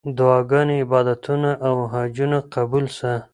دعاګانې، عبادتونه او حجونه قبول سه.